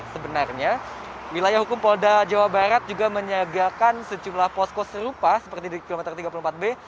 sebenarnya wilayah hukum polda jawa barat juga menyiagakan sejumlah posko serupa seperti di kilometer tiga puluh empat b